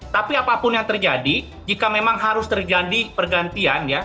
tapi apapun yang terjadi jika memang harus terjadi pergantian ya